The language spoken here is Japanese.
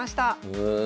へえ。